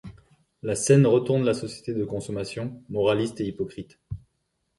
La scène retourne la société de consommation, moraliste et hypocrite.